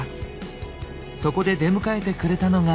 そこで出迎えてくれたのが。